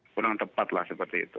kurang tepat lah seperti itu